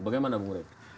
bagaimana bu ngo rek